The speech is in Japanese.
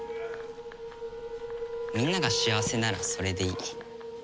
みんなが幸せならそれでいい。